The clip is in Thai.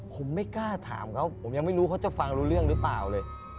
ผมไม่กล้าถามเขาผมยังไม่รู้เขาจะฟังรู้เรื่องหรือเปล่าเลย